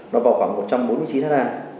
nó vào khoảng một trăm bốn mươi chín tháng